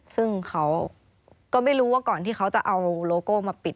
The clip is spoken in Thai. ซึ่งเขาก็ไม่รู้ว่าก่อนที่เขาจะเอาโลโก้มาปิด